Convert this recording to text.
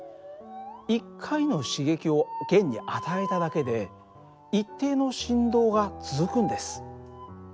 １回の刺激を弦に与えただけで一定の振動が続くんです。